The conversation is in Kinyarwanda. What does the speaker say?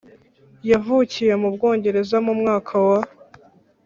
Yavukiye mu Bwongereza mu mwaka wa